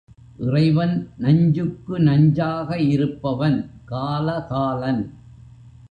இறைவன் நஞ்சுக்கு நஞ்சாக இருப்பவன் காலகாலன்.